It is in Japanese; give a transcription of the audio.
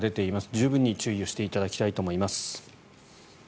十分に注意していただきたいと思います。